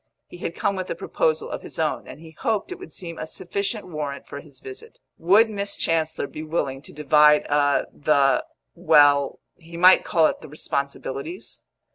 He had come with a proposal of his own, and he hoped it would seem a sufficient warrant for his visit. Would Miss Chancellor be willing to divide a the well, he might call it the responsibilities?